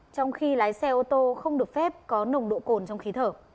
trong khi lái xe ô tô không được phép có nồng độ cồn trong khí thở